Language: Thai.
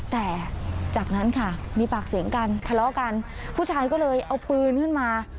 แต่จากนั้นค่ะมีปากเสียงกันทะเลาะกันผู้ชายก็เลยเอาปืนขึ้นมา